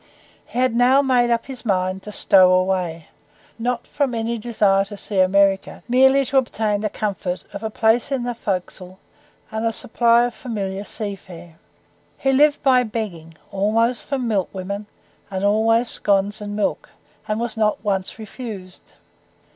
He had now made up his mind to stow away, not from any desire to see America, but merely to obtain the comfort of a place in the forecastle and a supply of familiar sea fare. He lived by begging, always from milkwomen, and always scones and milk, and was not once refused.